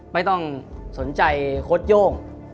ไม่ต้องสนใจโค้ดโย่ง